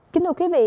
kính thưa quý vị